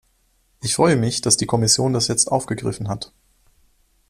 Ich freue mich, dass die Kommission das jetzt aufgegriffen hat.